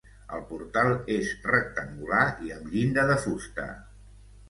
El portal és rectangular i amb llinda de fusta.